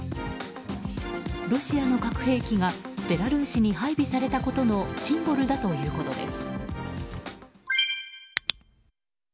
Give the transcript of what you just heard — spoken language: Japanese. ロシアの核兵器がベラルーシに配備されたことのシンボルだということです。